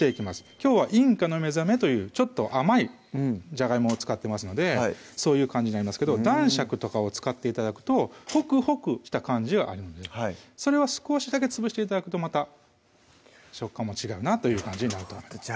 きょうは「インカのめざめ」というちょっと甘いじゃがいもを使ってますのでそういう感じになりますけど「男爵」とかを使って頂くとホクホクした感じがあるんでそれを少しだけ潰して頂くとまた食感も違うなという感じになると思います